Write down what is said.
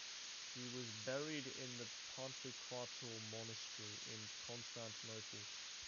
He was buried in the Pantokrator Monastery in Constantinople.